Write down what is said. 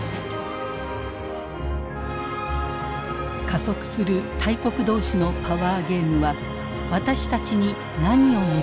加速する大国同士のパワーゲームは私たちに何をもたらすのか。